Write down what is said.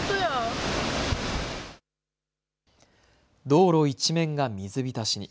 道路一面が水浸しに。